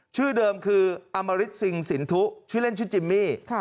ชื่อเดิมคืออมริตซิงสินทุชื่อเล่นชื่อจิมมี่